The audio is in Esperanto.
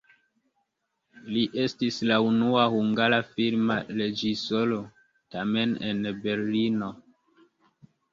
Li estis la unua hungara filma reĝisoro, tamen en Berlino.